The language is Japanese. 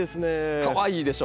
かわいいでしょ。